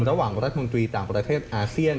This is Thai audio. ระหว่างรัฐมนตรีต่างประเทศอาเซียน